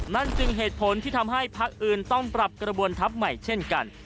นั่นจึงเหตุผลที่ทำให้พักอื่นต้องปรับกระบวนทัพใหม่เช่นกัน